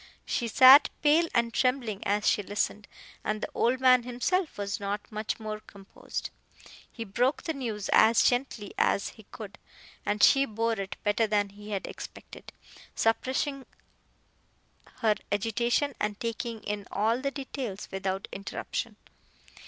She sat pale and trembling as she listened, and the old man himself was not much more composed. He broke the news as gently as he could, and she bore it better than he had expected, suppressing her agitation and taking in all the details without interruption.